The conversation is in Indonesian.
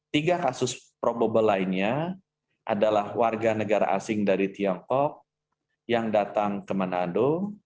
tiga kasus probable lainnya adalah warga negara asing dari tiongkok yang datang ke manado